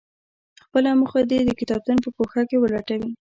خپله موخه دې د کتابتون په ګوښه کې ولټوي.